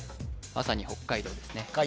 まさに北海道ですね